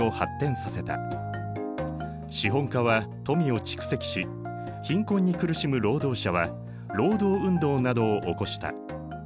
資本家は富を蓄積し貧困に苦しむ労働者は労働運動などを起こした。